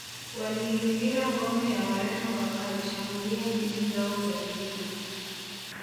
Waliizingira ngome ya Wareno wakazishambulia meli zao za kivita